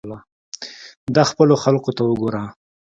دا خپلو خلقو ته وګوره.